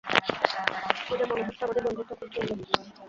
পূজা, মনে হচ্ছে আমাদের বন্ধুত্ব খুব জমবে।